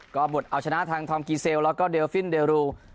ก็บุตรเอาชนะทางทอมกีเซลแล้วก็เดลฟินเดรู